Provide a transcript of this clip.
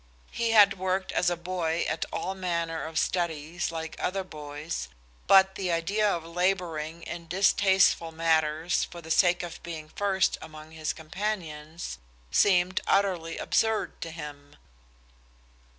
He had worked as a boy at all manner of studies like other boys, but the idea of laboring in distasteful matters for the sake of being first among his companions seemed utterly absurd to him.